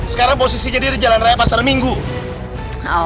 sekarang posisinya dia di jalan raya pasar minggu